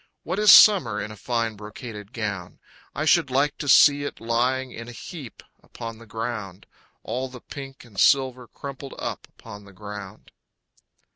What is Summer in a fine brocaded gown! I should like to see it lying in a heap upon the ground. All the pink and silver crumpled up upon the ground.